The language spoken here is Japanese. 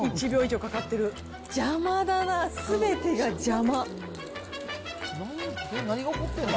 邪魔だな、すべてが邪魔。